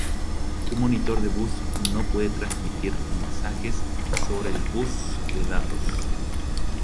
Un monitor de bus no puede transmitir mensajes sobre el bus de datos.